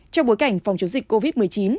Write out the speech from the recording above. trong bối cảnh phòng chống dịch covid một mươi chín